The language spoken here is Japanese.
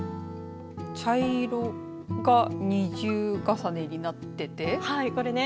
茶色が二重重ねになっていてこれね